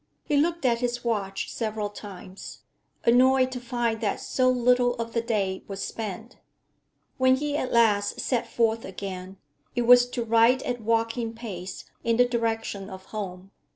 He looked at his watch several times, annoyed to find that so little of the day was spent. When he at last set forth again, it was to ride at walking pace in the direction of home.